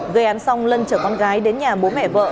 gây án xong lân chở con gái đến nhà bố mẹ vợ